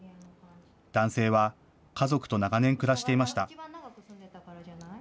男性は家族と長年、暮らしていました。